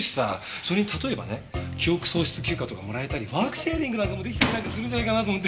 それに例えばね記憶喪失休暇とかもらえたりワークシェアリングなんかもできたりなんかするんじゃないかなと思って。